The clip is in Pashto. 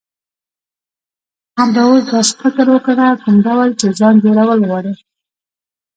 همدا اوس داسی فکر وکړه، کوم ډول چی ځان جوړول غواړی.